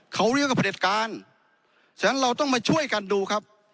เขาเรียกว่าประเด็จการฉะนั้นเราต้องมาช่วยกันดูครับ